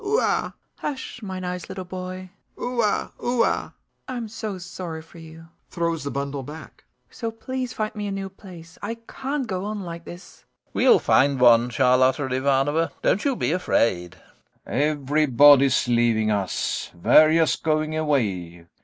Oua!"] Hush, my nice little boy. ["Oua! Oua!"] I'm so sorry for you! [Throws the bundle back] So please find me a new place. I can't go on like this. LOPAKHIN. We'll find one, Charlotta Ivanovna, don't you be afraid. GAEV. Everybody's leaving us. Varya's going away...